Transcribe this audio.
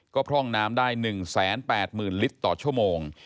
ก็พร่องน้ำได้๑๘๐๐๐ลิตรต่อชั่วโมง